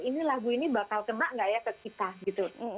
ini lagu ini bakal kena gak ya ke kita gitu